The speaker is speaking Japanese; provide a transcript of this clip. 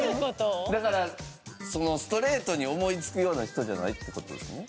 だからストレートに思いつくような人じゃないって事ですね？